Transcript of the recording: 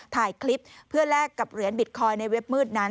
ถ่ายคลิปเพื่อแลกกับเหรียญบิตคอยน์ในเว็บมืดนั้น